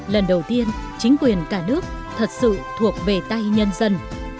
lần đầu tiên chính quyền cả nước thật sự thuộc về tay nhân dân